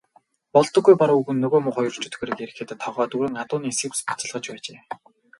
Болдоггүй Бор өвгөн нөгөө муу хоёр чөтгөрийг ирэхэд тогоо дүүрэн адууны сэвс буцалгаж байжээ.